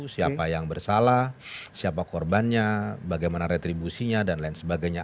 siapa yang bersalah siapa korbannya bagaimana retribusinya dan lain sebagainya